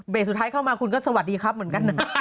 สุดท้ายเข้ามาคุณก็สวัสดีครับเหมือนกันนะ